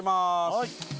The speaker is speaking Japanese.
はい。